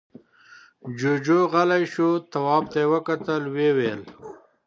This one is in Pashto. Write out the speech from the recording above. جُوجُو غلی شو، تواب ته يې وکتل، ويې ويل: